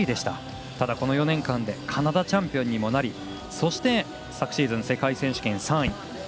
ただ、この４年間でカナダチャンピオンにもなりそして昨シーズン世界選手権３位。